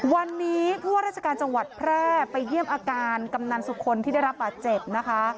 วันนี้ผู้ว่าราชการจังหวัดแพร่ไปเยี่ยมอาการกำนันสุคลที่ได้รับบาดเจ็บนะคะ